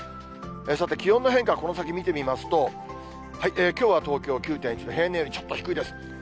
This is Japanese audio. さて気温の変化をこの先見てみますと、きょうは東京９．１度、平年よりちょっと低いです。